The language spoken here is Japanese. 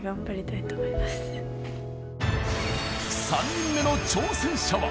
３人目の挑戦者は。